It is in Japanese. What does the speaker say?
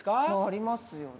ありますよね。